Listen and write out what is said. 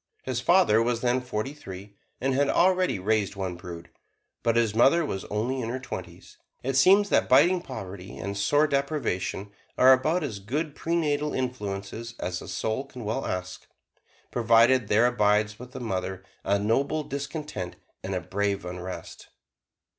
His father was then forty three, and had already raised one brood, but his mother was only in her twenties. It seems that biting poverty and sore deprivation are about as good prenatal influences as a soul can well ask, provided there abides with the mother a noble discontent and a brave unrest.